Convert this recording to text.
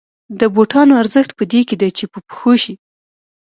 د بوټانو ارزښت په دې کې دی چې په پښو شي